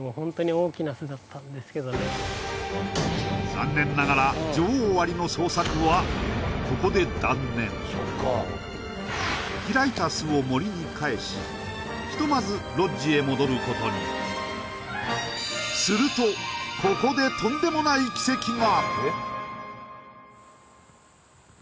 残念ながら女王アリの捜索はここで断念開いた巣を森に返しひとまずロッジへ戻ることにするとここでとんでもない奇跡が！